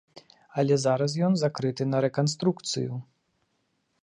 Але зараз ён закрыты на рэканструкцыю.